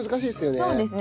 そうですね。